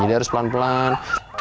jadi harus pelan pelan